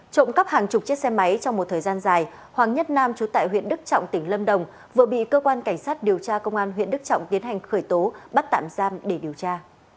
trộm cắp hàng chục chiếc xe máy trong một thời gian dài hoàng nhất nam chú tại huyện đức trọng tỉnh lâm đồng vừa bị cơ quan cảnh sát điều tra công an huyện đức trọng tiến hành khởi tố bắt tạm giam để điều tra